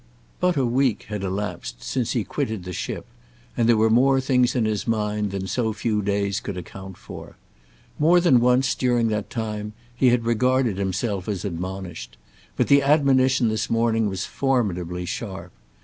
But a week had elapsed since he quitted the ship, and there were more things in his mind than so few days could account for. More than once, during the time, he had regarded himself as admonished; but the admonition this morning was formidably sharp.